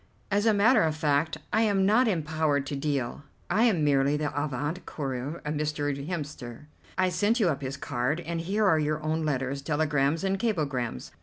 "As a matter of fact I am not empowered to deal. I am merely the avant coureur of Mr. Hemster. I sent you up his card, and here are your own letters, telegrams, and cablegrams.